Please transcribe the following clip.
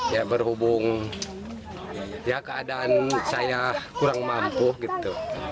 ya berhubung ya keadaan saya kurang mampu gitu